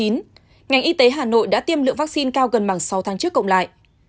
ngành y tế hà nội đã tiêm lượng vaccine cao gần bằng sáu tháng trước cộng lại